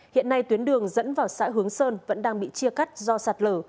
hiện nay tuyến đường dẫn vào xã hướng sơn vẫn đang bị chia cắt do sạt lở